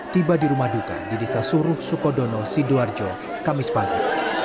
tiba di rumah duka di desa suruh sukodono sidoarjo kamis pagi